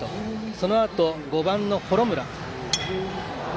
そのあと、５番の幌村。